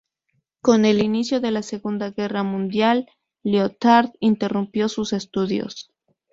Con el inicio de la Segunda Guerra Mundial, Lyotard interrumpió sus estudios.